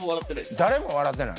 誰も笑ってない？